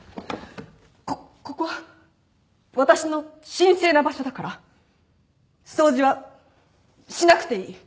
こっここは私の神聖な場所だから掃除はしなくていい。